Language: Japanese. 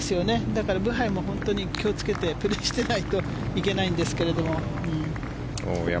だからブハイも本当に気をつけてプレーしないといけないんですけれども。